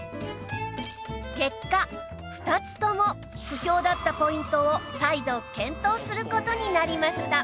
結果２つとも不評だったポイントを再度検討する事になりました